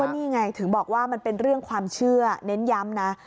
นี่ไงถึงบอกว่ามันเป็นเรื่องความเชื่อเน้นย้ำนะ